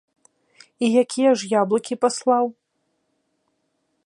І якія ж яблыкі паслаў?